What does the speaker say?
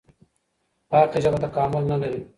پاکه ژبه تکامل نه لري.